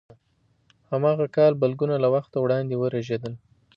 هماغه کال بلګونه له وخته وړاندې ورژېدل.